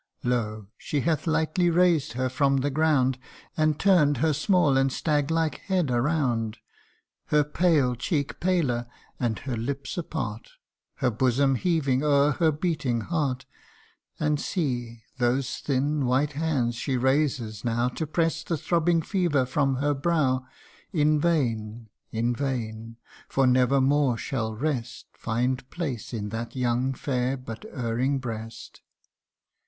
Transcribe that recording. Lo ! she hath lightly raised her from the ground, And turn'd her small and stag like head around ; Her pale cheek paler, and her lips apart, Her bosom heaving o'er her beating heart : And see, those thin white hands she raises now To press the throbbing fever from her brow CANTO I. In vain in vain ! for never more shall rest Find place in that young, fair, but erring breast